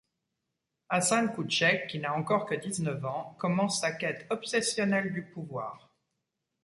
Hasan Kûtchek qui n’a encore que dix-neuf ans, commence sa quête obsessionnelle du pouvoir.